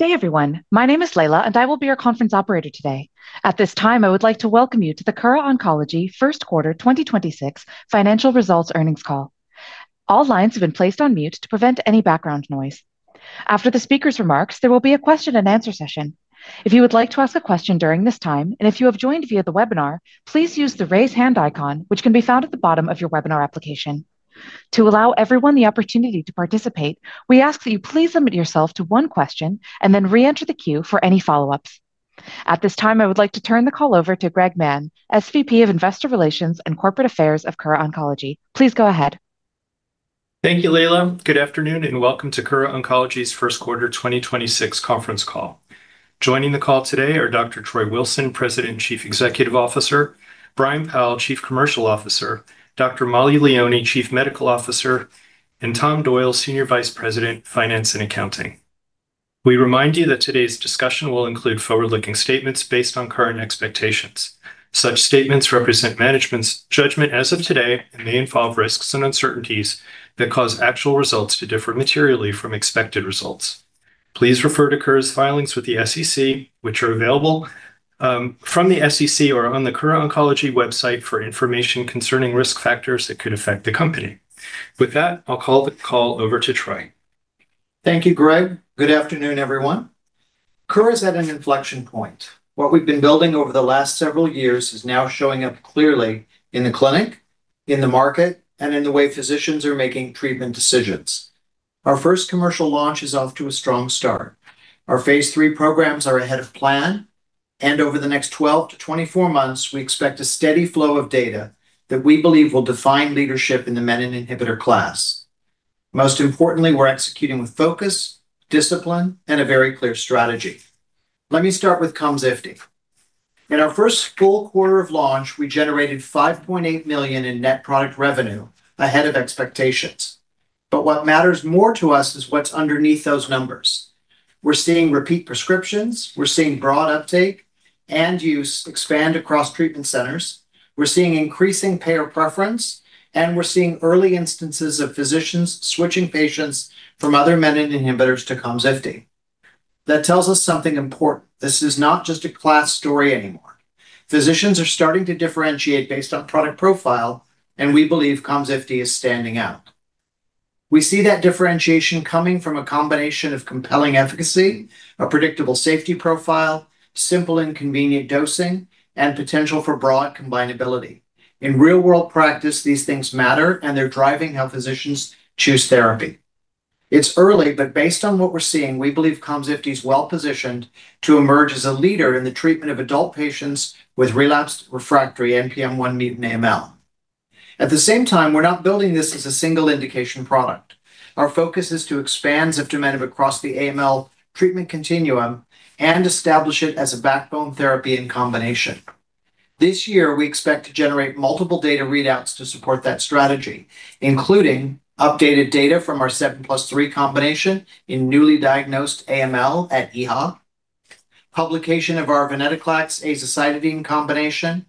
Good day, everyone. My name is Layla, and I will be your conference operator today. At this time, I would like to welcome you to the Kura Oncology First Quarter 2026 financial results earnings call. All lines have been placed on mute to prevent any background noise. After the speaker's remarks, there will be a question and answer session. If you would like to ask a question during this time, and if you have joined via the webinar, please use the Raise Hand icon, which can be found at the bottom of your webinar application. To allow everyone the opportunity to participate, we ask that you please limit yourself to one question and then re-enter the queue for any follow-ups. At this time, I would like to turn the call over to Greg Mann, SVP of Investor Relations and Corporate Affairs of Kura Oncology. Please go ahead. Thank you, Layla. Good afternoon, and welcome to Kura Oncology's 1st quarter 2026 conference call. Joining the call today are Dr. Troy Wilson, President, Chief Executive Officer, Brian Powl, Chief Commercial Officer, Dr. Mollie Leoni, Chief Medical Officer, and Tom Doyle, Senior Vice President, Finance and Accounting. We remind you that today's discussion will include forward-looking statements based on current expectations. Such statements represent management's judgment as of today and may involve risks and uncertainties that cause actual results to differ materially from expected results. Please refer to Kura's filings with the SEC, which are available from the SEC or on the Kura Oncology website for information concerning risk factors that could affect the company. With that, I'll turn the call over to Troy. Thank you, Greg. Good afternoon, everyone. Kura is at an inflection point. What we've been building over the last several years is now showing up clearly in the clinic, in the market, and in the way physicians are making treatment decisions. Our first commercial launch is off to a strong start. Our phase III programs are ahead of plan. Over the next 12-24 months, we expect a steady flow of data that we believe will define leadership in the menin inhibitor class. Most importantly, we're executing with focus, discipline, and a very clear strategy. Let me start with KOMZIFTI. In our first full quarter of launch, we generated $5.8 million in net product revenue ahead of expectations. What matters more to us is what's underneath those numbers. We're seeing repeat prescriptions, we're seeing broad uptake and use expand across treatment centers, we're seeing increasing payer preference, and we're seeing early instances of physicians switching patients from other menin inhibitors to KOMZIFTI. That tells us something important. This is not just a class story anymore. Physicians are starting to differentiate based on product profile, and we believe KOMZIFTI is standing out. We see that differentiation coming from a combination of compelling efficacy, a predictable safety profile, simple and convenient dosing, and potential for broad combinability. In real-world practice, these things matter, and they're driving how physicians choose therapy. It's early, but based on what we're seeing, we believe KOMZIFTI is well-positioned to emerge as a leader in the treatment of adult patients with relapsed refractory NPM1 mutant AML. At the same time, we're not building this as a single indication product. Our focus is to expand across the AML treatment continuum and establish it as a backbone therapy in combination. This year, we expect to generate multiple data readouts to support that strategy, including updated data from our 7+3 combination in newly diagnosed AML at EHA, publication of our venetoclax azacitidine combination,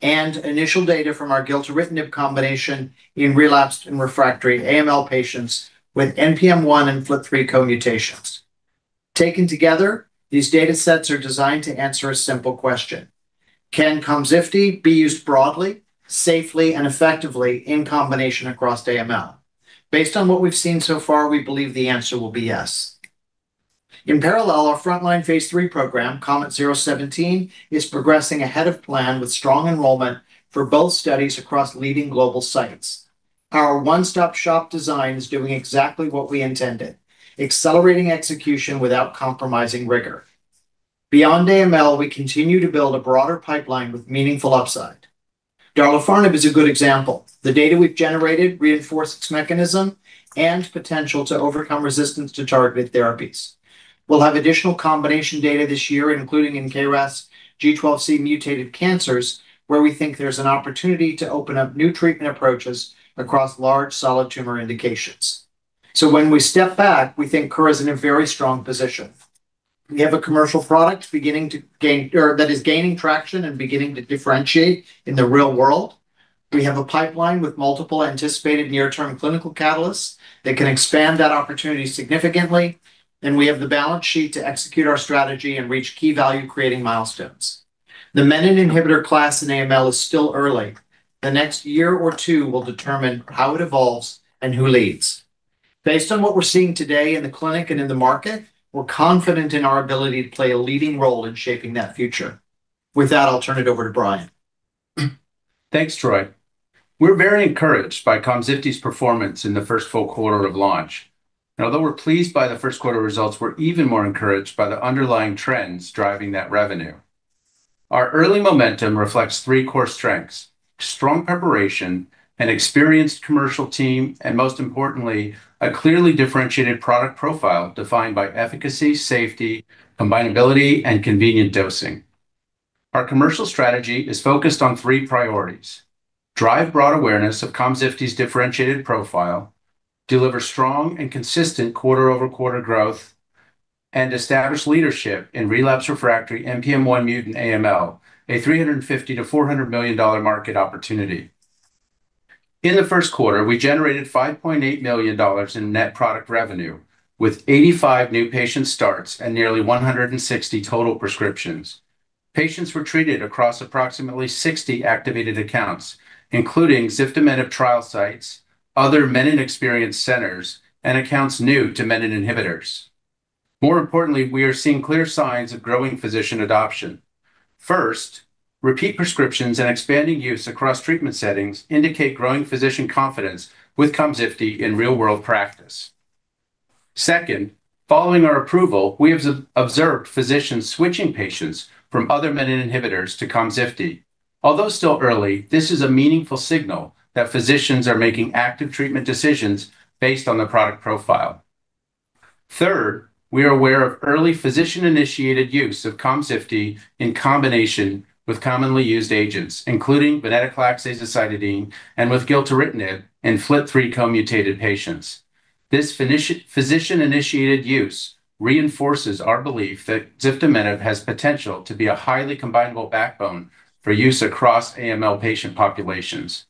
and initial data from our gilteritinib combination in relapsed and refractory AML patients with NPM1 and FLT3 co-mutations. Taken together, these datasets are designed to answer a simple question. Can KOMZIFTI be used broadly, safely, and effectively in combination across AML? Based on what we've seen so far, we believe the answer will be yes. In parallel, our frontline phase III program, KOMET-017, is progressing ahead of plan with strong enrollment for both studies across leading global sites. Our one-stop-shop design is doing exactly what we intended, accelerating execution without compromising rigor. Beyond AML, we continue to build a broader pipeline with meaningful upside. darlifarnib is a good example. The data we've generated reinforce its mechanism and potential to overcome resistance to targeted therapies. We'll have additional combination data this year, including in KRAS G12C mutated cancers, where we think there's an opportunity to open up new treatment approaches across large solid tumor indications. When we step back, we think Kura is in a very strong position. We have a commercial product gaining traction and beginning to differentiate in the real world. We have a pipeline with multiple anticipated near-term clinical catalysts that can expand that opportunity significantly, and we have the balance sheet to execute our strategy and reach key value creating milestones. The menin inhibitor class in AML is still early. The next year or two will determine how it evolves and who leads. Based on what we're seeing today in the clinic and in the market, we're confident in our ability to play a leading role in shaping that future. With that, I'll turn it over to Brian. Thanks, Troy. We're very encouraged by KOMZIFTI's performance in the first full quarter of launch. Although we're pleased by the first quarter results, we're even more encouraged by the underlying trends driving that revenue. Our early momentum reflects three core strengths: strong preparation, an experienced commercial team, and most importantly, a clearly differentiated product profile defined by efficacy, safety, combinability, and convenient dosing. Our commercial strategy is focused on three priorities: drive broad awareness of KOMZIFTI's differentiated profile, deliver strong and consistent quarter-over-quarter growth, and establish relapsed refractory NPM1 mutant AML, a $350 million-$400 million market opportunity. In the first quarter, we generated $5.8 million in net product revenue, with 85 new patient starts and nearly 160 total prescriptions. Patients were treated across approximately 60 activated accounts, including ziftomenib trial sites, other menin-experience centers, and accounts new to menin inhibitors. More importantly, we are seeing clear signs of growing physician adoption. First, repeat prescriptions and expanding use across treatment settings indicate growing physician confidence with KOMZIFTI in real-world practice. Second, following our approval, we have observed physicians switching patients from other menin inhibitors to KOMZIFTI. Although still early, this is a meaningful signal that physicians are making active treatment decisions based on the product profile. Third, we are aware of early physician-initiated use of KOMZIFTI in combination with commonly used agents, including venetoclax azacitidine and with gilteritinib in FLT3 co-mutated patients. This physician-initiated use reinforces our belief that ziftomenib has potential to be a highly combinable backbone for use across AML patient populations.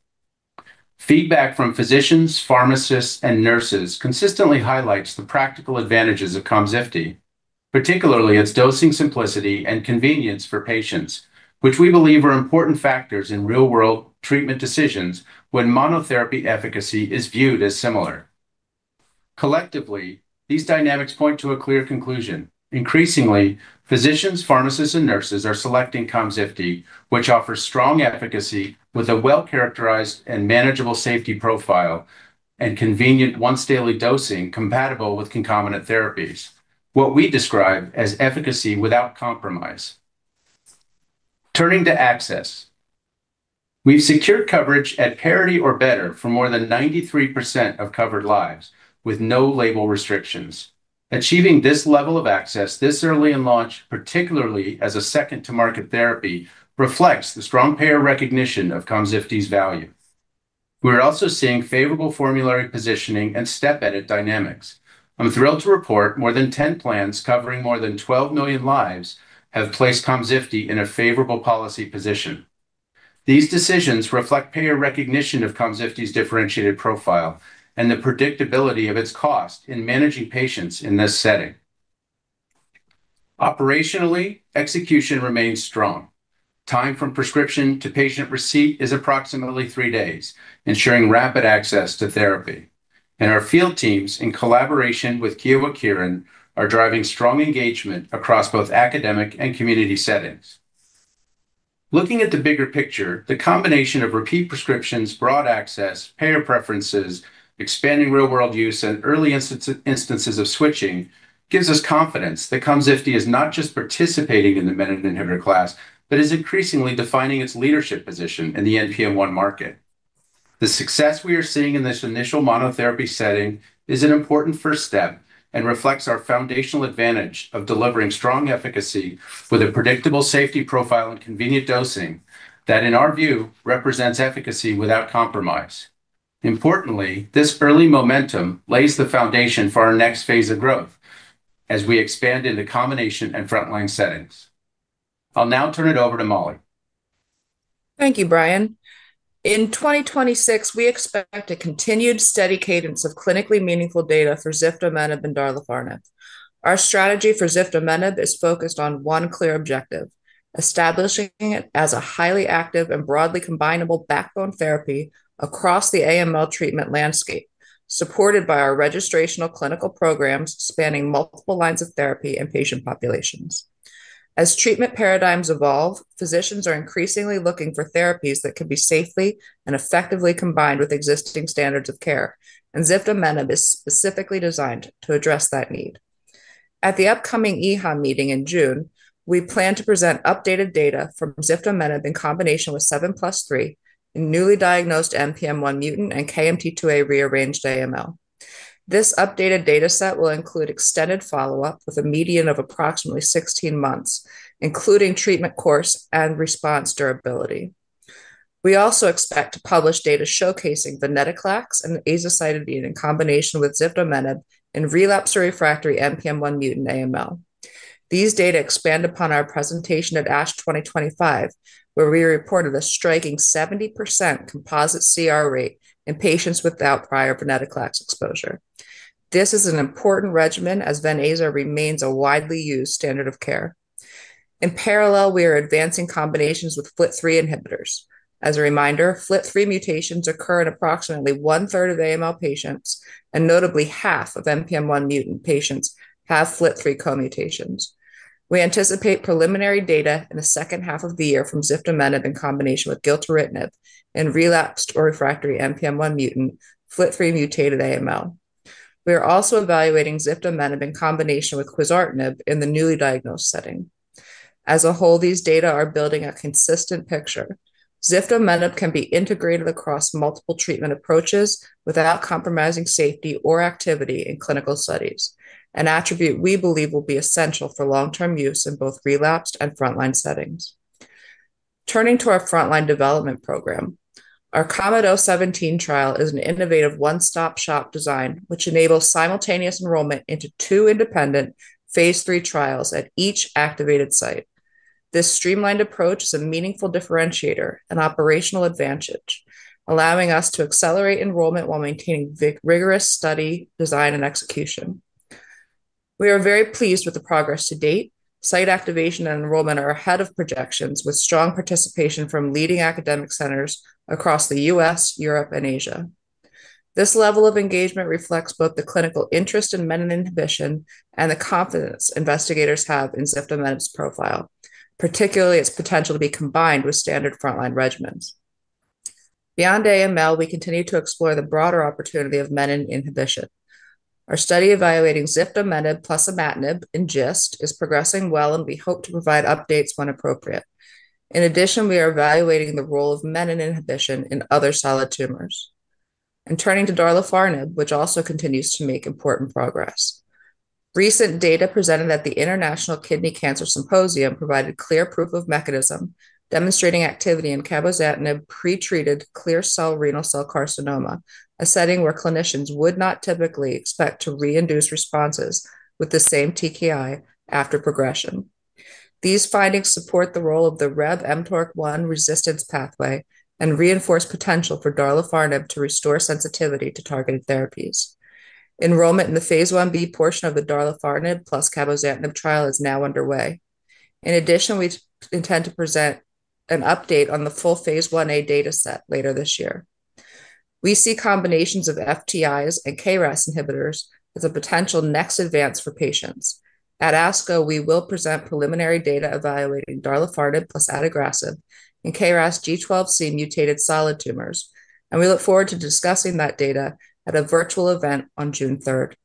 Feedback from physicians, pharmacists, and nurses consistently highlights the practical advantages of KOMZIFTI, particularly its dosing simplicity and convenience for patients, which we believe are important factors in real-world treatment decisions when monotherapy efficacy is viewed as similar. Collectively, these dynamics point to a clear conclusion. Increasingly, physicians, pharmacists, and nurses are selecting KOMZIFTI, which offers strong efficacy with a well-characterized and manageable safety profile and convenient once-daily dosing compatible with concomitant therapies, what we describe as efficacy without compromise. Turning to access, we've secured coverage at parity or better for more than 93% of covered lives, with no label restrictions. Achieving this level of access this early in launch, particularly as a second-to-market therapy, reflects the strong payer recognition of KOMZIFTI's value. We're also seeing favorable formulary positioning and step edit dynamics. I'm thrilled to report more than 10 plans covering more than 12 million lives have placed KOMZIFTI in a favorable policy position. These decisions reflect payer recognition of KOMZIFTI's differentiated profile and the predictability of its cost in managing patients in this setting. Operationally, execution remains strong. Time from prescription to patient receipt is approximately 3 days, ensuring rapid access to therapy. Our field teams, in collaboration with Kyowa Kirin, are driving strong engagement across both academic and community settings. Looking at the bigger picture, the combination of repeat prescriptions, broad access, payer preferences, expanding real-world use, and early instances of switching gives us confidence that KOMZIFTI is not just participating in the menin inhibitor class, but is increasingly defining its leadership position in the NPM1 market. The success we are seeing in this initial monotherapy setting is an important first step and reflects our foundational advantage of delivering strong efficacy with a predictable safety profile and convenient dosing that, in our view, represents efficacy without compromise. Importantly, this early momentum lays the foundation for our next phase of growth as we expand into combination and frontline settings. I'll now turn it over to Mollie. Thank you, Brian. In 2026, we expect a continued steady cadence of clinically meaningful data for ziftomenib and darlifarnib. Our strategy for ziftomenib is focused on one clear objective, establishing it as a highly active and broadly combinable backbone therapy across AML treatment landscape, supported by our registrational clinical programs spanning multiple lines of therapy and patient populations. As treatment paradigms evolve, physicians are increasingly looking for therapies that can be safely and effectively combined with existing standards of care, and ziftomenib is specifically designed to address that need. At the upcoming EHA meeting in June, we plan to present updated data from ziftomenib in combination with 7+3 in newly diagnosed NPM1 mutant and KMT2A rearranged AML. This updated data set will include extended follow-up with a median of approximately 16 months, including treatment course and response durability. We also expect to publish data showcasing venetoclax and azacitidine in combination with ziftomenib in relapsed or refractory NPM1 mutant AML. These data expand upon our presentation at ASH 2025, where we reported a striking 70% composite CR rate in patients without prior venetoclax exposure. This is an important regimen as ven-aza remains a widely used standard of care. In parallel, we are advancing combinations with FLT3 inhibitors. As a reminder, FLT3 mutations occur in approximately one-third of AML patients, and notably half of NPM1 mutant patients have FLT3 co-mutations. We anticipate preliminary data in the second half of the year from ziftomenib in combination with gilteritinib in relapsed or refractory NPM1 mutant FLT3 mutated AML. We are also evaluating ziftomenib in combination with quizartinib in the newly diagnosed setting. As a whole, these data are building a consistent picture. ziftomenib can be integrated across multiple treatment approaches without compromising safety or activity in clinical studies, an attribute we believe will be essential for long-term use in both relapsed and frontline settings. Turning to our frontline development program, our KOMET-017 trial is an innovative one-stop-shop design which enables simultaneous enrollment into two independent phase III trials at each activated site. This streamlined approach is a meaningful differentiator and operational advantage, allowing us to accelerate enrollment while maintaining rigorous study, design, and execution. We are very pleased with the progress to date. Site activation and enrollment are ahead of projections, with strong participation from leading academic centers across the U.S., Europe, and Asia. This level of engagement reflects both the clinical interest in menin inhibition and the confidence investigators have in ziftomenib's profile, particularly its potential to be combined with standard frontline regimens. Beyond AML, we continue to explore the broader opportunity of menin inhibition. Our study evaluating ziftomenib plus imatinib in GIST is progressing well, and we hope to provide updates when appropriate. In addition, we are evaluating the role of menin inhibition in other solid tumors. Turning to darlifarnib, which also continues to make important progress. Recent data presented at the International Kidney Cancer Symposium provided clear proof of mechanism, demonstrating activity in cabozantinib pre-treated clear cell renal cell carcinoma, a setting where clinicians would not typically expect to reintroduce responses with the same TKI after progression. These findings support the role of the RAS/mTORC1 resistance pathway and reinforce potential for darlifarnib to restore sensitivity to targeted therapies. Enrollment in the phase I-B portion of the darlifarnib plus cabozantinib trial is now underway. In addition, we intend to present an update on the full phase I-A data set later this year. We see combinations of FTIs and KRAS inhibitors as a potential next advance for patients. At ASCO, we will present preliminary data evaluating darlifarnib plus adagrasib in KRAS G12C mutated solid tumors, and we look forward to discussing that data at a virtual event on June third.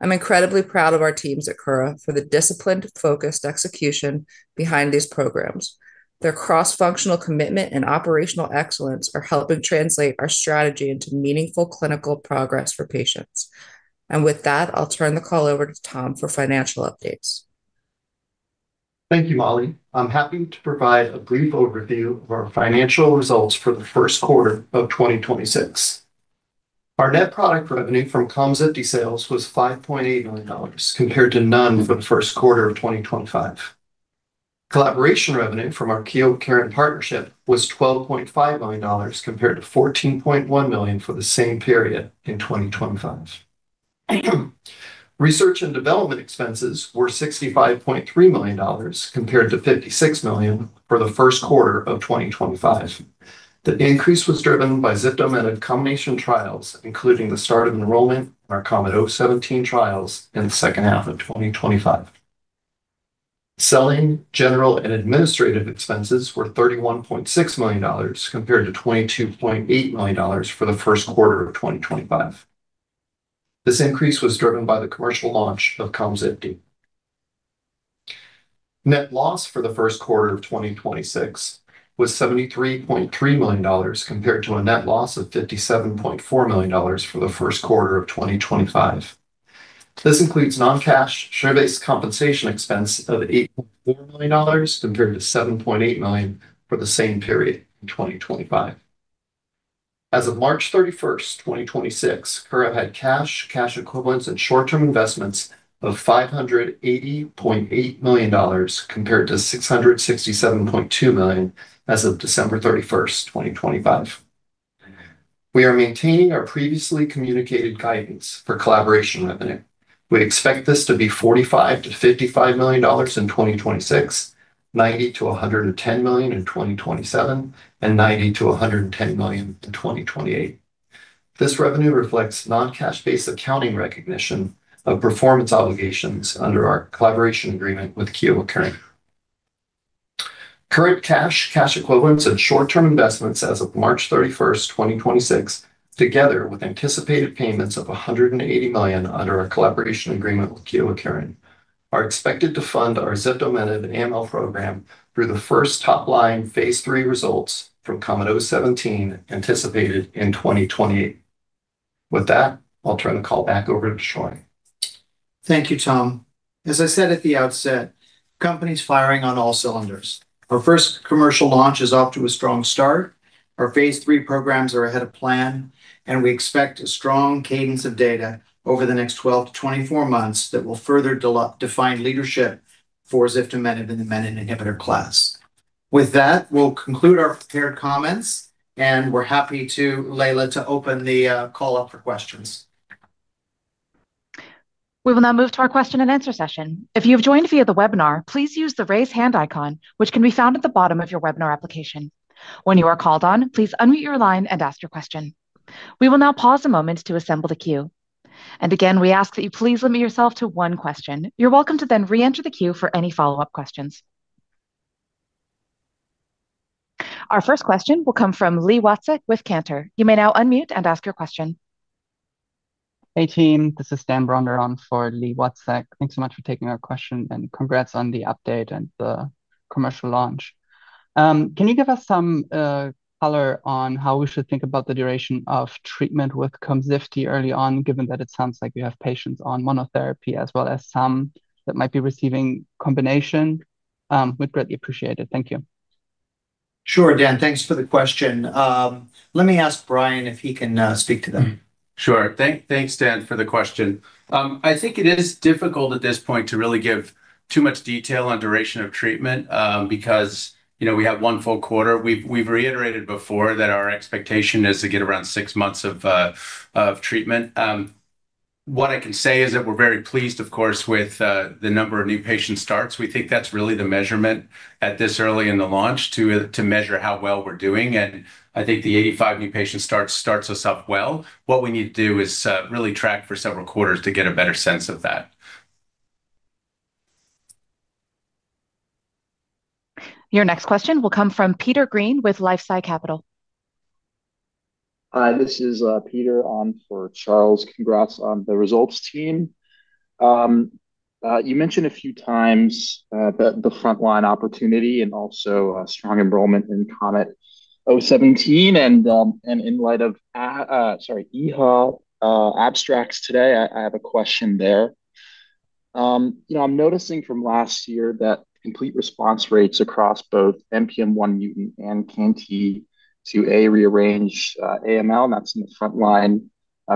I'm incredibly proud of our teams at Kura for the disciplined, focused execution behind these programs. Their cross-functional commitment and operational excellence are helping translate our strategy into meaningful clinical progress for patients. With that, I'll turn the call over to Tom for financial updates. Thank you, Mollie. I'm happy to provide a brief overview of our financial results for the first quarter of 2026. Our net product revenue from KOMZIFTI sales was $5.8 million, compared to none for the first quarter of 2025. Collaboration revenue from our Kyowa Kirin partnership was $12.5 million, compared to $14.1 million for the same period in 2025. Research and development expenses were $65.3 million, compared to $56 million for the first quarter of 2025. The increase was driven by ziftomenib's combination trials, including the start of enrollment in our COMET-017 trials in the second half of 2025. Selling, general, and administrative expenses were $31.6 million, compared to $22.8 million for the first quarter of 2025. This increase was driven by the commercial launch of KOMZIFTI. Net loss for the first quarter of 2026 was $73.3 million, compared to a net loss of $57.4 million for the first quarter of 2025. This includes non-cash share-based compensation expense of $8.4 million, compared to $7.8 million for the same period in 2025. As of March 31st, 2026, Kura had cash equivalents, and short-term investments of $580.8 million, compared to $667.2 million as of December 31st, 2025. We are maintaining our previously communicated guidance for collaboration revenue. We expect this to be $45 million-$55 million in 2026, $90 million-$110 million in 2027, and $90 million-$110 million in 2028. This revenue reflects non-cash based accounting recognition of performance obligations under our collaboration agreement with Kyowa Kirin. Current cash equivalents, and short-term investments as of March 31, 2026, together with anticipated payments of $180 million under our collaboration agreement with Kyowa Kirin, are expected to fund our ziftomenib's AML program through the first top line phase III results from COMET-017, anticipated in 2028. With that, I'll turn the call back over to Troy. Thank you, Tom. As I said at the outset, company's firing on all cylinders. Our first commercial launch is off to a strong start. Our phase III programs are ahead of plan, and we expect a strong cadence of data over the next 12 to 24 months that will further define leadership for ziftomenib's and the menin inhibitor class. With that, we'll conclude our prepared comments, and we're happy to, Layla, to open the call up for questions. We will now move to our question and answer session. If you have joined via the webinar, please use the raise hand icon, which can be found at the bottom of your webinar application. When you are called on, please unmute your line and ask your question. We will now pause a moment to assemble the queue. Again, we ask that you please limit yourself to one question. You're welcome to then re-enter the queue for any follow-up questions. Our first question will come from Lee Watzek with Cantor. You may now unmute and ask your question. Hey, team. This is Dan Bronder on for Lee Watzek. Thanks so much for taking our question, and congrats on the update and the commercial launch. Can you give us some color on how we should think about the duration of treatment with KOMZIFTI early on, given that it sounds like you have patients on monotherapy as well as some that might be receiving combination? We'd greatly appreciate it. Thank you. Sure, Dan. Thanks for the question. Let me ask Brian if he can speak to that. Sure. Thanks, Dan, for the question. I think it is difficult at this point to really give too much detail on duration of treatment, because, you know, we have one full quarter. We've reiterated before that our expectation is to get around six months of treatment. What I can say is that we're very pleased, of course, with the number of new patient starts. We think that's really the measurement at this early in the launch to measure how well we're doing, and I think the 85 new patient starts us off well. What we need to do is really track for several quarters to get a better sense of that. Your next question will come from Peter Green with LifeSci Capital. Hi, this is Peter on for Charles. Congrats on the results, team. You mentioned a few times, the frontline opportunity and also strong enrollment in KOMET-017 and in light of, sorry, EHA abstracts today, I have a question there. You know, I'm noticing from last year that complete response rates across both NPM1 mutant and KMT2A rearrange AML, and that's in the frontline,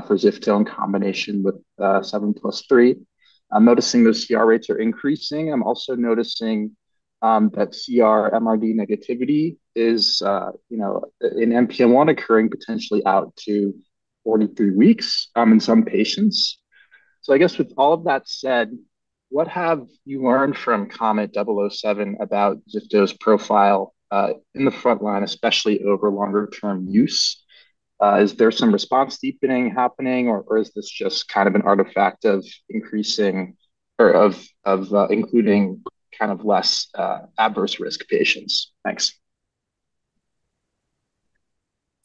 for ziftomenib in combination with 7+3. I'm noticing those CR rates are increasing. I'm also noticing that CR MRD negativity is, you know, in NPM1 occurring potentially out to 43 weeks in some patients. I guess with all of that said, what have you learned from KOMET-007 about ziftomenib's profile in the frontline, especially over longer term use? Is there some response deepening happening or is this just kind of an artifact of increasing or of including kind of less adverse risk patients? Thanks.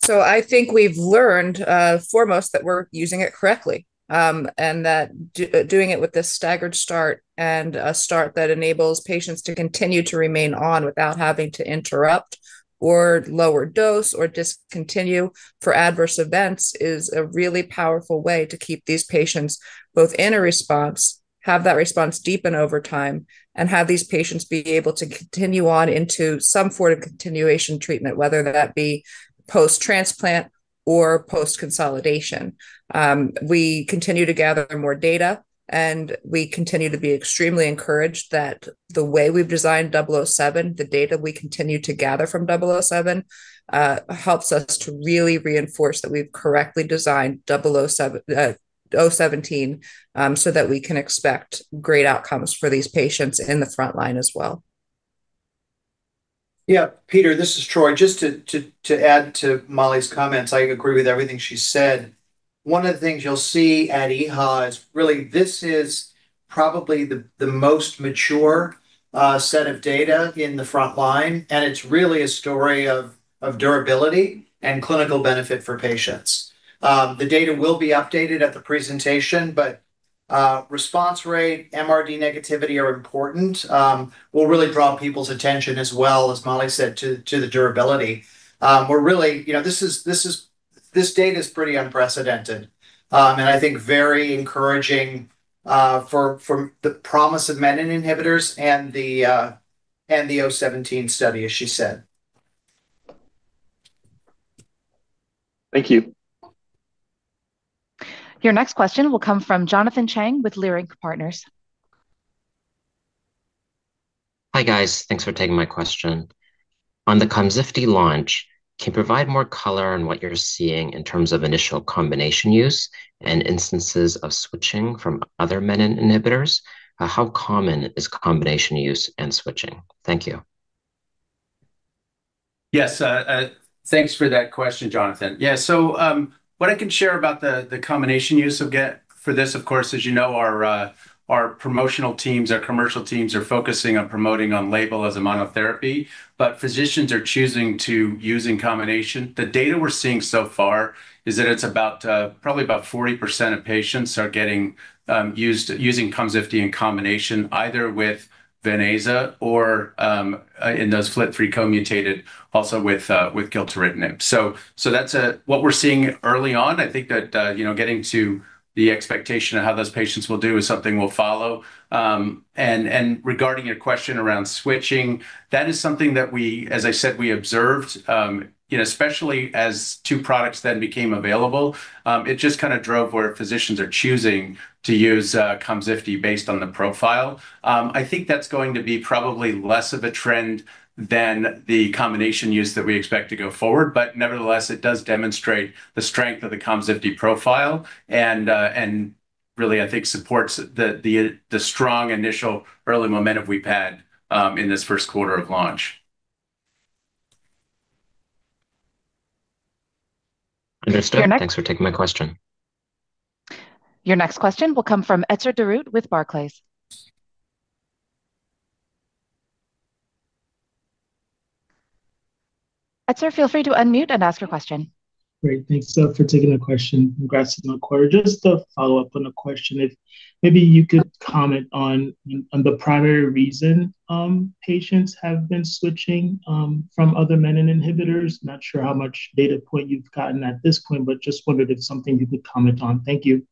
I think we've learned foremost that we're using it correctly, and that doing it with this staggered start and a start that enables patients to continue to remain on without having to interrupt or lower dose or discontinue for adverse events is a really powerful way to keep these patients both in a response, have that response deepen over time, and have these patients be able to continue on into some form of continuation treatment, whether that be post-transplant or post-consolidation. We continue to gather more data, and we continue to be extremely encouraged that the way we've designed KOMET-007, the data we continue to gather from KOMET-007, helps us to really reinforce that we've correctly designed KOMET-017, so that we can expect great outcomes for these patients in the frontline as well. Yeah, Peter, this is Troy. Just to add to Mollie's comments, I agree with everything she said. One of the things you'll see at EHA is really this is probably the most mature set of data in the frontline, and it's really a story of durability and clinical benefit for patients. The data will be updated at the presentation, but response rate, MRD negativity are important. We'll really draw people's attention as well, as Mollie said, to the durability. We're really You know, this is this data's pretty unprecedented, and I think very encouraging for the promise of menin inhibitors and the 017 study, as she said. Thank you. Your next question will come from Jonathan Chang with Leerink Partners. Hi, guys. Thanks for taking my question. On the KOMZIFTI launch, can you provide more color on what you're seeing in terms of initial combination use and instances of switching from other menin inhibitors? How common is combination use and switching? Thank you. Yes, thanks for that question, Jonathan. What I can share about the combination use we'll get for this, of course, as you know, our promotional teams, our commercial teams are focusing on promoting on label as a monotherapy, but physicians are choosing to use in combination. The data we're seeing so far is that it's about probably about 40% of patients are getting used, using KOMZIFTI in combination either with ven-aza or in those FLT3 co-mutated also with Gilteritinib. That's what we're seeing early on. I think that, you know, getting to the expectation of how those patients will do is something we'll follow. Regarding your question around switching, that is something that we, as I said, we observed, you know, especially as two products then became available. It just kinda drove where physicians are choosing to use KOMZIFTI based on the profile. I think that's going to be probably less of a trend than the combination use that we expect to go forward. Nevertheless, it does demonstrate the strength of the KOMZIFTI profile and really I think supports the strong initial early momentum we've had in this first quarter of launch. Understood. Your nex- Thanks for taking my question. Your next question will come from Etzer Darout with Barclays. Etzer, feel free to unmute and ask your question. Great. Thanks for taking the question. Congrats on the quarter. Just a follow-up on a question. If maybe you could comment on the primary reason patients have been switching from other menin inhibitors. Not sure how much data point you've gotten at this point, but just wondered if something you could comment on. Thank you.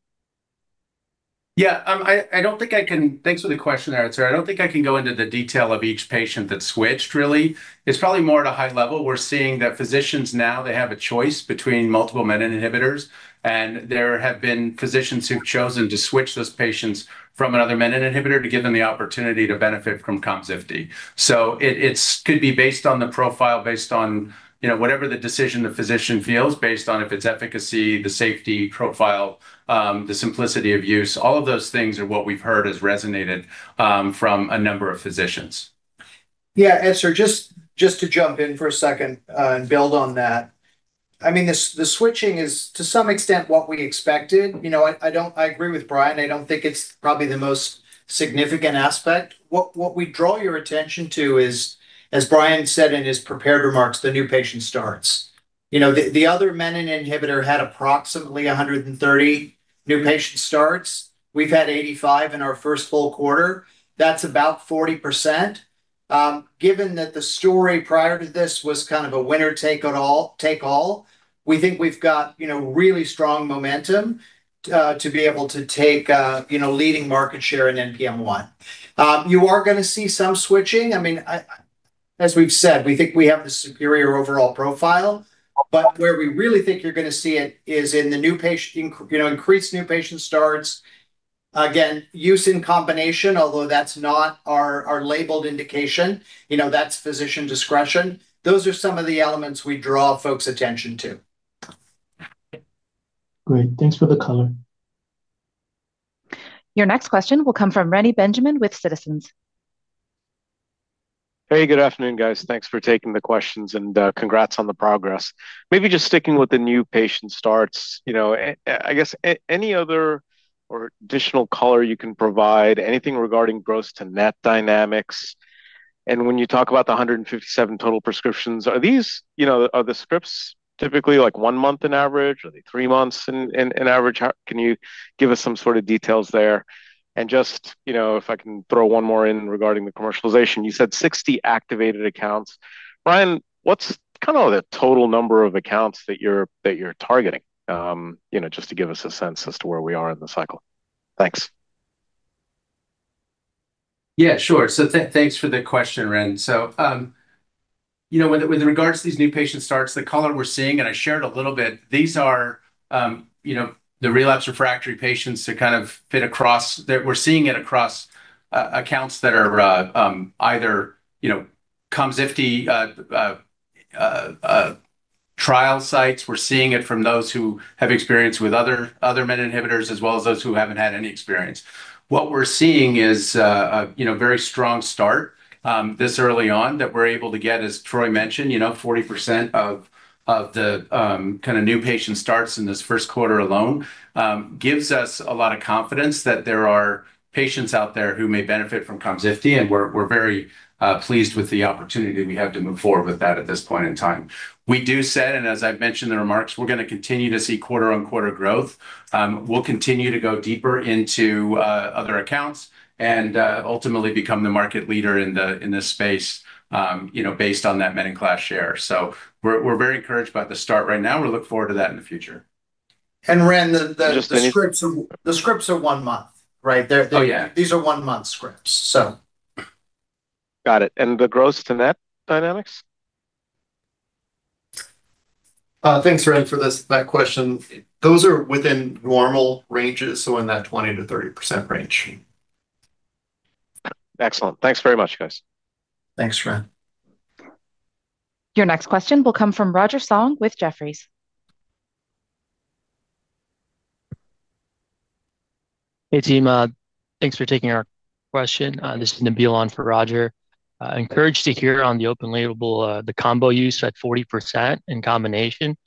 I don't think I can. Thanks for the question Etzer. I don't think I can go into the detail of each patient that switched really. It's probably more at a high level. We're seeing that physicians now, they have a choice between multiple menin inhibitors, and there have been physicians who've chosen to switch those patients from another menin inhibitor to give them the opportunity to benefit from KOMZIFTI. It's could be based on the profile, based on, you know, whatever the decision the physician feels, based on if it's efficacy, the safety profile, the simplicity of use. All of those things are what we've heard has resonated from a number of physicians. Yeah, Etzer, just to jump in for a second, and build on that. I mean, the switching is to some extent what we expected. You know what? I agree with Brian Powl. I don't think it's probably the most significant aspect. What we draw your attention to is, as Brian Powl said in his prepared remarks, the new patient starts. You know, the other menin inhibitor had approximately 130 new patient starts. We've had 85 in our first full quarter. That's about 40%. Given that the story prior to this was kind of a winner take it all, we think we've got, you know, really strong momentum, to be able to take, you know, leading market share in NPM1. You are gonna see some switching. I mean, as we've said, we think we have the superior overall profile, but where we really think you're gonna see it is in the new patient, you know, increased new patient starts. Again, use in combination, although that's not our labeled indication. You know, that's physician discretion. Those are some of the elements we draw folks' attention to. Great. Thanks for the color. Your next question will come from Reni Benjamin with Citizens. Hey, good afternoon, guys. Thanks for taking the questions, and congrats on the progress. Maybe just sticking with the new patient starts, you know, any other or additional color you can provide, anything regarding gross to net dynamics? When you talk about the 157 total prescriptions, are these you know, are the scripts typically like 1 month in average? Are they 3 months in average? Can you give us some sort of details there? Just, you know, if I can throw 1 more in regarding the commercialization. You said 60 activated accounts. Brian, what's kind of the total number of accounts that you're targeting? You know, just to give us a sense as to where we are in the cycle. Thanks. Yeah, sure. Thanks for the question, Reni Benjamin. You know, with regards to these new patient starts, the color we're seeing, and I shared a little bit, these are, you know, the relapse refractory patients to kind of fit across we're seeing it across accounts that are either, you know, KOMZIFTI trial sites. We're seeing it from those who have experience with other menin inhibitors, as well as those who haven't had any experience. What we're seeing is, you know, a very strong start this early on that we're able to get, as Troy mentioned, you know, 40% of the kinda new patient starts in this first quarter alone, gives us a lot of confidence that there are patients out there who may benefit from KOMZIFTI, and we're very pleased with the opportunity we have to move forward with that at this point in time. We do said, and as I've mentioned in the remarks, we're gonna continue to see quarter-on-quarter growth. We'll continue to go deeper into other accounts and ultimately become the market leader in this space, you know, based on that menin class share. We're very encouraged by the start right now. We look forward to that in the future. Ren. Just any- the scripts are one month, right? Oh, yeah. These are one-month scripts, so. Got it. The gross to net dynamics? Thanks, Ren, for this, that question. Those are within normal ranges, so in that 20%-30% range. Excellent. Thanks very much, guys. Thanks, Ren. Your next question will come from Roger Song with Jefferies. Hey, team. Thanks for taking our question. This is Nabil on for Roger. Encouraged to hear on the open label, the combo use at 40% in combination.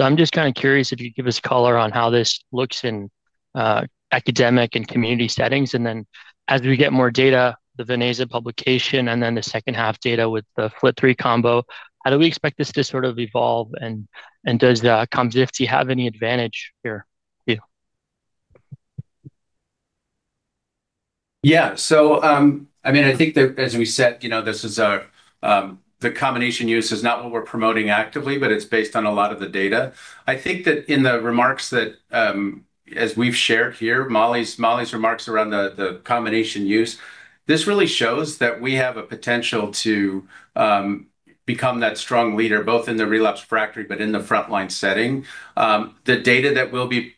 I'm just kinda curious if you could give us color on how this looks in academic and community settings. As we get more data, the venetoclax publication and then the second-half data with the FLT3 combo, how do we expect this to sort of evolve, and does the KOMZIFTI have any advantage here? Yeah. I mean, I think that as we said, you know, this is our, the combination use is not what we're promoting actively, but it's based on a lot of the data. I think that in the remarks that, as we've shared here, Mollie's remarks around the combination use, this really shows that we have a potential to become that strong leader, both in the relapsed refractory, but in the frontline setting. The data that we'll be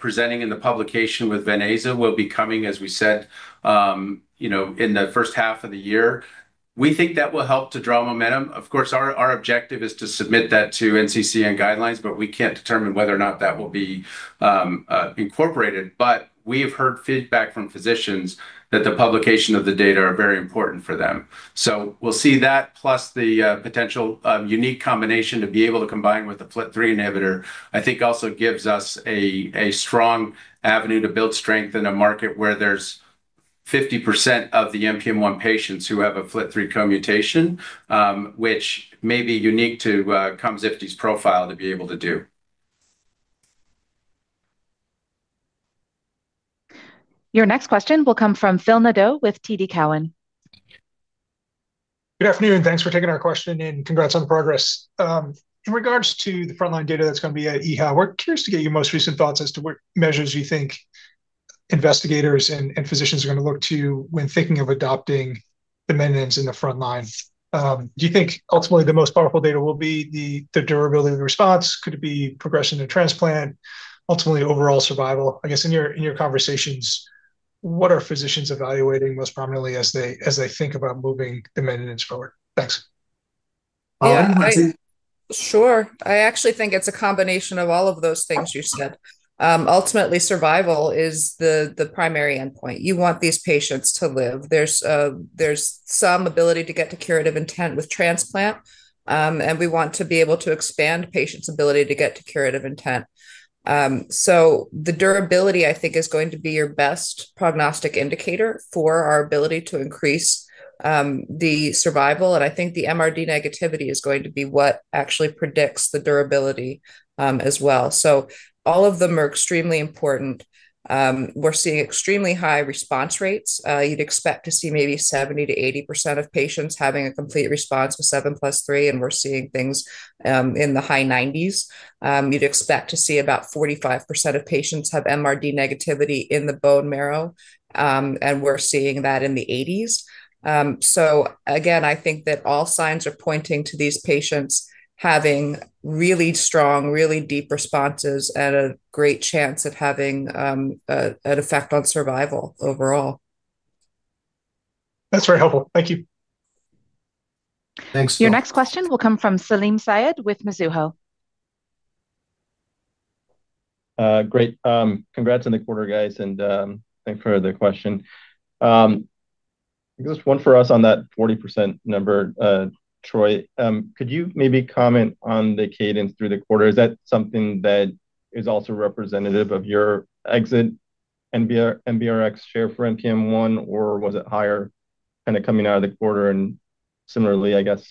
presenting in the publication with ven-aza will be coming, as we said, you know, in the first half of the year. We think that will help to draw momentum. Of course, our objective is to submit that to NCCN guidelines, but we can't determine whether or not that will be incorporated. We have heard feedback from physicians that the publication of the data are very important for them. We'll see that, plus the potential unique combination to be able to combine with the FLT3 inhibitor, I think also gives us a strong avenue to build strength in a market where there's 50% of the NPM1 patients who have a FLT3 co-mutation, which may be unique to KOMZIFTI's profile to be able to do. Your next question will come from Philip Nadeau with TD Cowen. Good afternoon, thanks for taking our question, and congrats on the progress. In regards to the frontline data that's gonna be at EHA, we're curious to get your most recent thoughts as to what measures you think investigators and physicians are gonna look to when thinking of adopting the maintenance in the front line. Do you think ultimately the most powerful data will be the durability of the response? Could it be progression to transplant? Ultimately, overall survival? I guess in your conversations, what are physicians evaluating most prominently as they think about moving the maintenance forward? Thanks. Um- Yeah. it's a- Sure. I actually think it's a combination of all of those things you said. Ultimately, survival is the primary endpoint. You want these patients to live. There's some ability to get to curative intent with transplant. We want to be able to expand patients' ability to get to curative intent. The durability, I think, is going to be your best prognostic indicator for our ability to increase the survival. I think the MRD negativity is going to be what actually predicts the durability as well. All of them are extremely important. We're seeing extremely high response rates. You'd expect to see maybe 70%-80% of patients having a complete response with 7+3. We're seeing things in the high 90s. You'd expect to see about 45% of patients have MRD negativity in the bone marrow, and we're seeing that in the 80s. Again, I think that all signs are pointing to these patients having really strong, really deep responses and a great chance of having an effect on survival overall. That's very helpful. Thank you. Thanks, Will. Your next question will come from Salim Syed with Mizuho. Great. Congrats on the quarter, guys, and thanks for the question. I guess one for us on that 40% number, Troy, could you maybe comment on the cadence through the quarter? Is that something that is also representative of your exit MRD share for NPM1, or was it higher kinda coming out of the quarter? Similarly, I guess,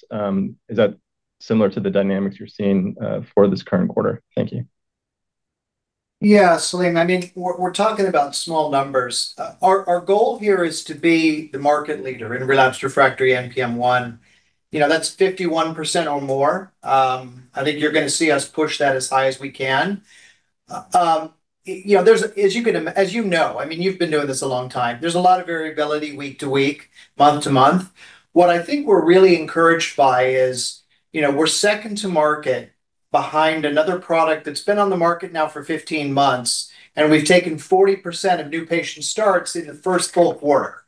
is that similar to the dynamics you're seeing for this current quarter? Thank you. Yeah, Salim. I mean, we're talking about small numbers. Our goal here is to be the market leader in relapsed refractory NPM1. You know, that's 51% or more. I think you're gonna see us push that as high as we can. You know, there's, as you know, I mean, you've been doing this a long time, there's a lot of variability week to week, month to month. What I think we're really encouraged by is, you know, we're second to market behind another product that's been on the market now for 15 months, and we've taken 40% of new patient starts in the first full quarter.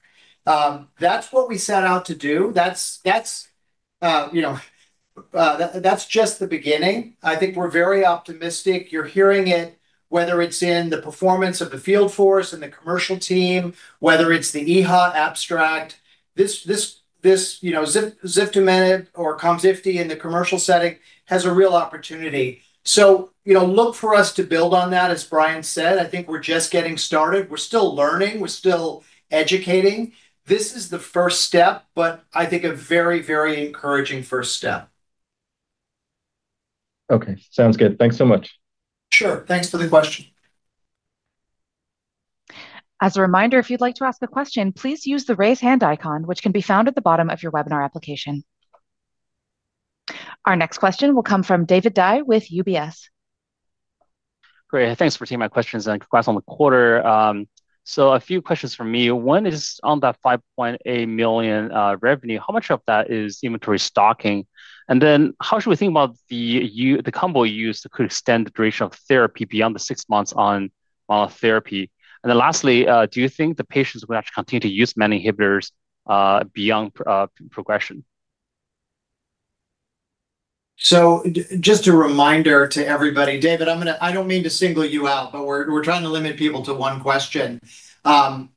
That's what we set out to do. That's, you know, that's just the beginning. I think we're very optimistic. You're hearing it, whether it's in the performance of the field force and the commercial team, whether it's the EHA abstract. This, you know, ziftomenib or KOMZIFTI in the commercial setting has a real opportunity. You know, look for us to build on that. As Brian said, I think we're just getting started. We're still learning. We're still educating. This is the first step, but I think a very, very encouraging first step. Okay. Sounds good. Thanks so much. Sure. Thanks for the question. As a reminder, if you'd like to ask a question, please use the Raise Hand icon, which can be found at the bottom of your webinar application. Our next question will come from David Dai with UBS. Great. Thanks for taking my questions, and congrats on the quarter. A few questions from me. One is on that $5.8 million revenue, how much of that is inventory stocking? How should we think about the combo use that could extend the duration of therapy beyond the 6 months on monotherapy? Lastly, do you think the patients would actually continue to use menin inhibitors beyond progression? Just a reminder to everybody, David, I'm gonna I don't mean to single you out, but we're trying to limit people to one question. There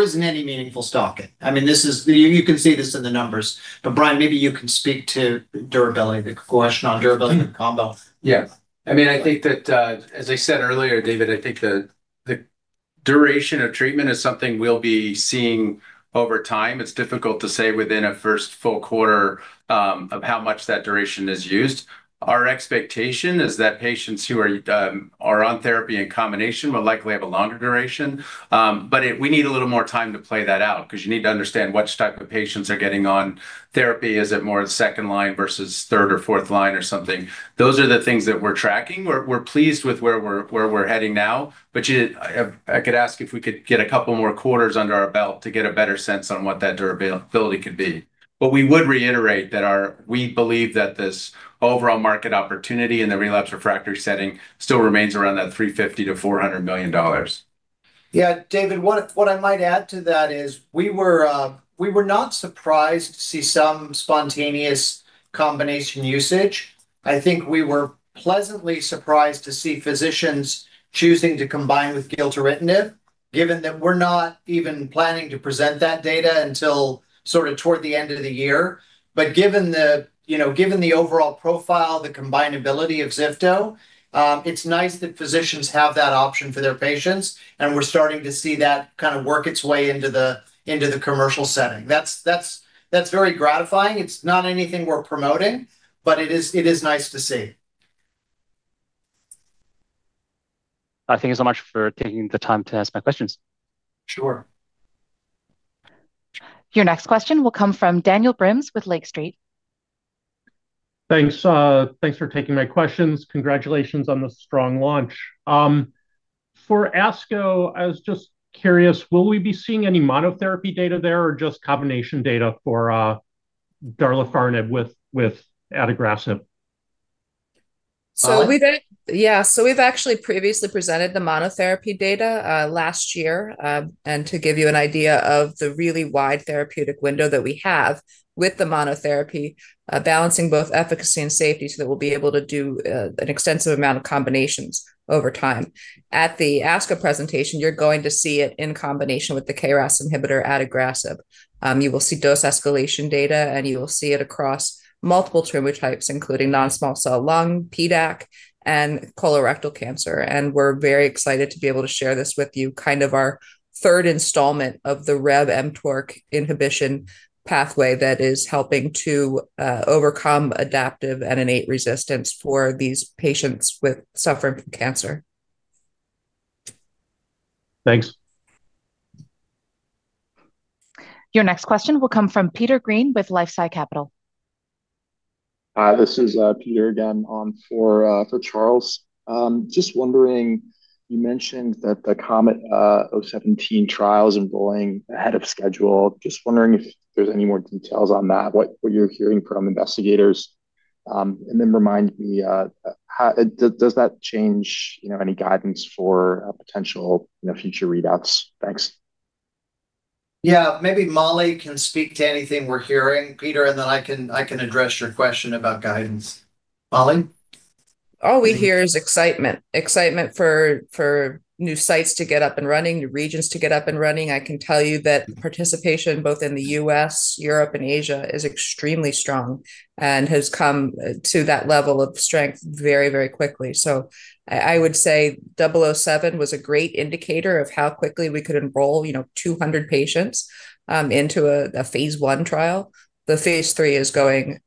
isn't any meaningful stocking. I mean, this is You can see this in the numbers. Brian, maybe you can speak to durability, the question on durability of the combo. Yeah. I mean, I think that, as I said earlier, David, I think the duration of treatment is something we'll be seeing over time. It's difficult to say within a first full quarter of how much that duration is used. Our expectation is that patients who are on therapy in combination will likely have a longer duration. We need a little more time to play that out, 'cause you need to understand which type of patients are getting on therapy. Is it more the second line versus third or fourth line or something? Those are the things that we're tracking. We're pleased with where we're heading now. I could ask if we could get 2 more quarters under our belt to get a better sense on what that durability could be. We would reiterate that we believe that this overall market opportunity in the relapsed refractory setting still remains around that $350 million-$400 million. David, what I might add to that is we were not surprised to see some spontaneous combination usage. I think we were pleasantly surprised to see physicians choosing to combine with gilteritinib, given that we're not even planning to present that data until sort of toward the end of the year. Given the, you know, given the overall profile, the combinability of ziftomenib, it's nice that physicians have that option for their patients, and we're starting to see that kind of work its way into the commercial setting. That's very gratifying. It's not anything we're promoting, but it is nice to see. I thank you so much for taking the time to ask my questions. Sure. Your next question will come from Daniel Brims with Lake Street. Thanks, thanks for taking my questions. Congratulations on the strong launch. For ASCO, I was just curious, will we be seeing any monotherapy data there or just combination data for darlifarnib with adagrasib? We've actually previously presented the monotherapy data last year. To give you an idea of the really wide therapeutic window that we have with the monotherapy, balancing both efficacy and safety so that we'll be able to do an extensive amount of combinations over time. At the ASCO presentation, you're going to see it in combination with the KRAS inhibitor adagrasib. You will see dose escalation data. You will see it across multiple tumor types, including non-small cell lung, PDAC, and colorectal cancer. We're very excited to be able to share this with you, kind of our third installment of the RAS/mTORC inhibition pathway that is helping to overcome adaptive and innate resistance for these patients suffering from cancer. Thanks. Your next question will come from Peter Green with LifeSci Capital. Hi, this is Peter again on for Charles. Just wondering, you mentioned that the KOMET-017 trial is enrolling ahead of schedule. Just wondering if there's any more details on that, what you're hearing from investigators. And then remind me, does that change, you know, any guidance for a potential, you know, future readouts? Thanks. Yeah, maybe Mollie can speak to anything we're hearing, Peter, then I can address your question about guidance. Mollie? All we hear is excitement. Excitement for new sites to get up and running, new regions to get up and running. I can tell you that participation both in the U.S., Europe and Asia is extremely strong and has come to that level of strength very quickly. I would say KOMET-007 was a great indicator of how quickly we could enroll, you know, 200 patients into a phase I trial. The phase III is going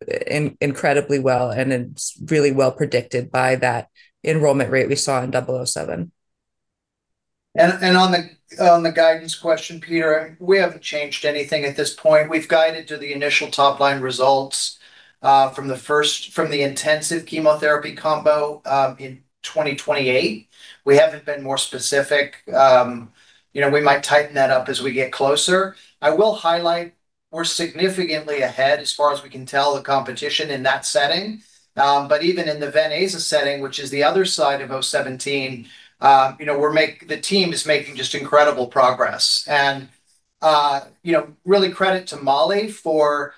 incredibly well, and it's really well-predicted by that enrollment rate we saw in KOMET-007. On the guidance question, Peter, we haven't changed anything at this point. We've guided to the initial top-line results from the intensive chemotherapy combo in 2028. We haven't been more specific. You know, we might tighten that up as we get closer. I will highlight we're significantly ahead, as far as we can tell, the competition in that setting. Even in the ven-aza setting, which is the other side of KOMET-017, you know, the team is making just incredible progress. You know, really credit to Mollie for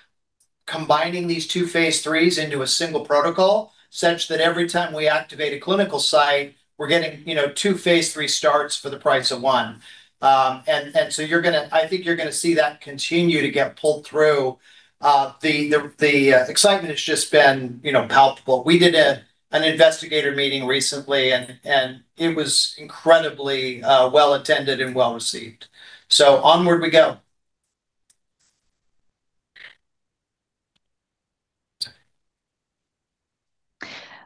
combining these two phase IIIs into a single protocol, such that every time we activate a clinical site, we're getting, you know, two phase III starts for the price of one. I think you're gonna see that continue to get pulled through. The excitement has just been, you know, palpable. We did an investigator meeting recently and it was incredibly well-attended and well-received. Onward we go.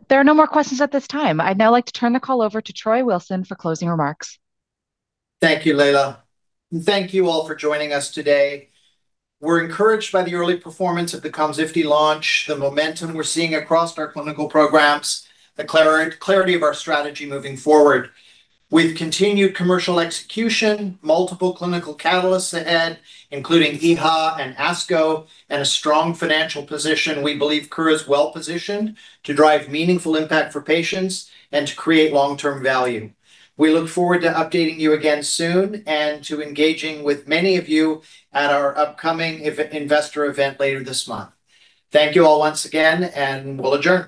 There are no more questions at this time. I'd now like to turn the call over to Troy Wilson for closing remarks. Thank you, Layla. Thank you all for joining us today. We're encouraged by the early performance of the KOMZIFTI launch, the momentum we're seeing across our clinical programs, the clarity of our strategy moving forward. With continued commercial execution, multiple clinical catalysts ahead, including EHA and ASCO, and a strong financial position, we believe Kura's well-positioned to drive meaningful impact for patients and to create long-term value. We look forward to updating you again soon and to engaging with many of you at our upcoming investor event later this month. Thank you all once again, and we'll adjourn.